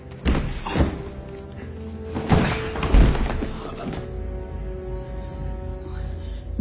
ああ。